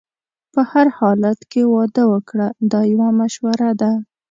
په هر حالت کې واده وکړه دا یو مشوره ده.